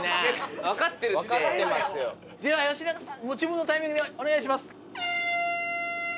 では吉永さん自分のタイミングでお願いします。